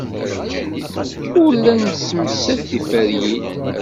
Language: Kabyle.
Ur la nessemsad tiferyin.